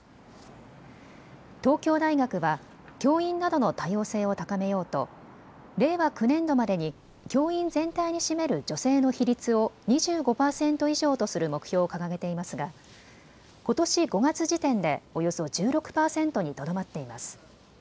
東京大学は教員などの多様性を高めようと令和９年度までに教員全体に占める女性の比率を２５％以上とする目標を掲げていますが、ことし５月時点でおよそ１６％にとどまっています。